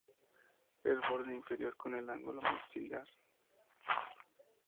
El borde inferior, con el ángulo maxilar.